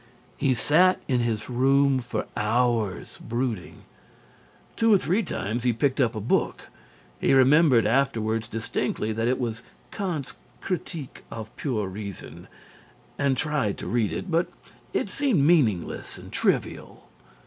He sat in his room for hours brooding. Two or three times he picked up a book he remembered afterwards distinctly that it was Kant's Critique of Pure Reason and tried to read it, but it seemed meaningless and trivial.